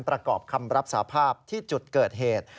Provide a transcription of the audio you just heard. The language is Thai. ประกอบคำรับสาภาพที่จุดเกิดเหตุ